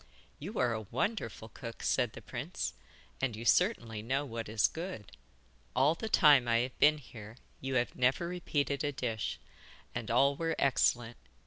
'You are a wonderful cook,' said the prince, 'and you certainly know what is good. All the time I have been here you have never repeated a dish, and all were excellent.